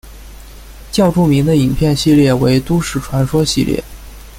较著名的影片系列为都市传说系列。